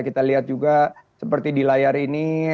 kita lihat juga seperti di layar ini